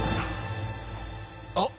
あっ！